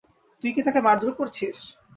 তুই কি তাকে মারধর করেছিস?